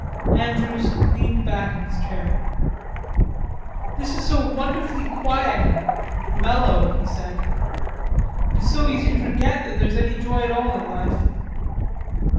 Andrews leaned back in his chair. "This is so wonderfully quiet and mellow," he said.... "It is so easy to forget that there's any joy at all in life."